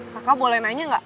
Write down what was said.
kakak boleh nanya gak